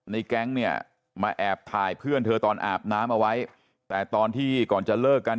แก๊งเนี่ยมาแอบถ่ายเพื่อนเธอตอนอาบน้ำเอาไว้แต่ตอนที่ก่อนจะเลิกกัน